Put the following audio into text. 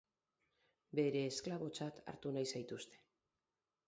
Beren esklabotzat hartu nahi zaituzte.